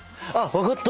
分かった？